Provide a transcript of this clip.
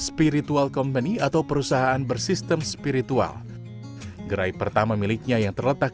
spiritual company atau perusahaan bersistem spiritual gerai pertama miliknya yang terletak